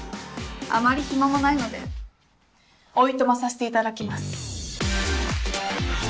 あまり暇もないのでおいとまさせていただきます。